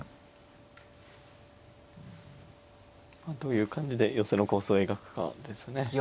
まあどういう感じで寄せの構想を描くかですね。